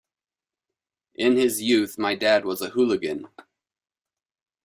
In his youth my dad was a hooligan.